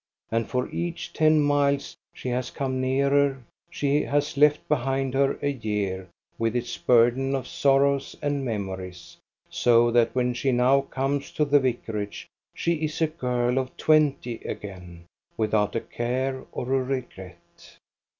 And for each ten miles she has come nearer she has left behind her a year with its burden of sorrows and memories, so that when she now comes to the vicarage she is a girl of twenty again, without a care or a regret.